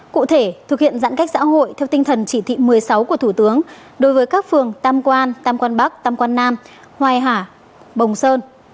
cụ thể thực hiện giãn cách xã hội theo tinh thần chỉ thị một mươi sáu của thủ tướng đối với các phường tam quan tam quan bắc tam quan nam hoài hà bồng sơn